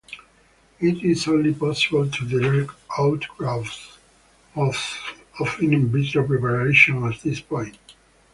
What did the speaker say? It is only possible to direct outgrowth of in vitro preparations at this point.